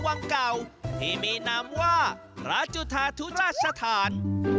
วังเก่าที่มีนามว่าพระจุธาธุราชสถาน